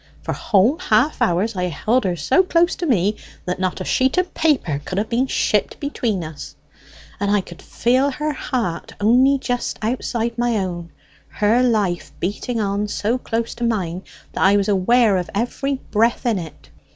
For whole half hours I held her so chose to me that not a sheet of paper could have been shipped between us; and I could feel her heart only just outside my own, her life beating on so close to mine, that I was aware of every breath in it.